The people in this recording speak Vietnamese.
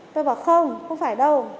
tôi bảo không không phải đâu